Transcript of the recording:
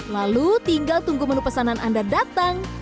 lalu tinggal tunggu menu pesanan anda datang